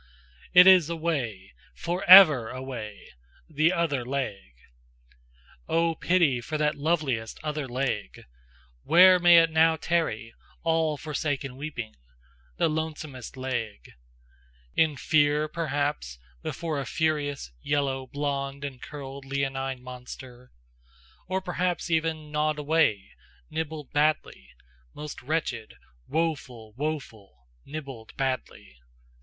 Hu! It is away! For ever away! The other leg! Oh, pity for that loveliest other leg! Where may it now tarry, all forsaken weeping? The lonesomest leg? In fear perhaps before a Furious, yellow, blond and curled Leonine monster? Or perhaps even Gnawed away, nibbled badly Most wretched, woeful! woeful! nibbled badly!